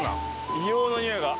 硫黄のにおいが。